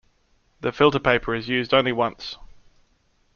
The filter paper is used only once.